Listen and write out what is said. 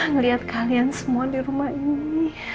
ngelihat kalian semua di rumah ini